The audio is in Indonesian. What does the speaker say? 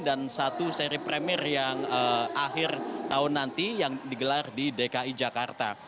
dan satu seri premier yang akhir tahun nanti yang digelar di dki jakarta